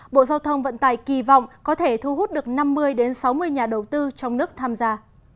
bộ giao thông vận tài kỳ vọng có thể thu hút được năm mươi sáu mươi nhà đầu tư trong nước tham gia